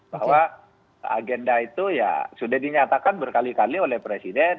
bahwa agenda itu ya sudah dinyatakan berkali kali oleh presiden